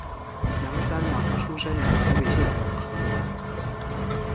楊三郎出生於台北縣永和